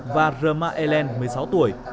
và r ma e len một mươi sáu tuổi